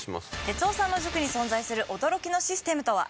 哲夫さんの塾に存在する驚きのシステムとは？